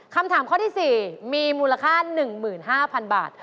คำถามข้อที่๔มีมูลค่า๑๕๐๐๐บาท